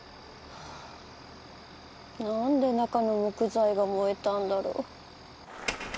はあなんで中の木材が燃えたんだろう？